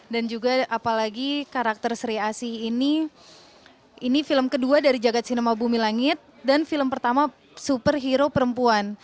juga apalagi karakter sri asih ini film kedua dari jagad cinema bumi langit dan film pertama superhero perempuan